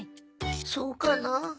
そうかな。